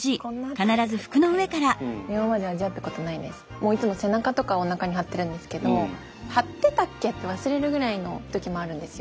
もういつも背中とかおなかに貼ってるんですけど貼ってたっけ？って忘れるぐらいの時もあるんですよ。